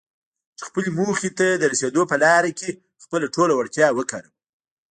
چې خپلې موخې ته د رسېدو په لاره کې خپله ټوله وړتيا وکاروم.